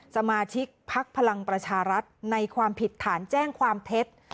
สมาชิกพักพลังประชารัฐในความผิดฐานแจ้งความเท็จ